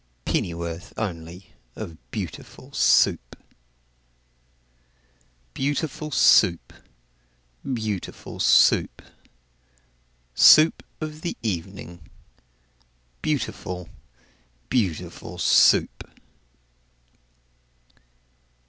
Pennyworth only of beautiful Soup? Beau ootiful Soo oop! Beau ootiful Soo oop! Soo oop of the e e evening, Beautiful, beauti FUL SOUP!